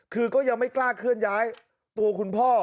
คือก็ยังไม่กล้าเคลื่อนย้ายตัวคุณพ่อ